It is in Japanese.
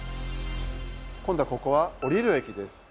今度はここは降りる駅です。